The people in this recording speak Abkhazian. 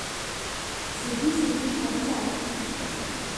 Зегьы-зегьы иҟарҵароуп.